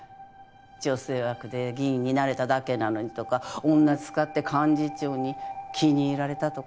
女性枠で議員になれただけなのにとか女使って幹事長に気に入られたとか。